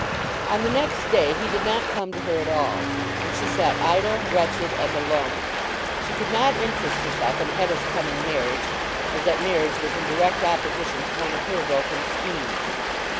On the next day he did not come to her at all, and she sat idle, wretched, and alone. She could not interest herself in Hetta's coming marriage, as that marriage was in direct opposition to one of her broken schemes.